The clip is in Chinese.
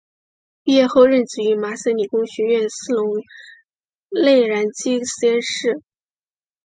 毕业后任职于麻省理工学院斯龙内燃机实验室。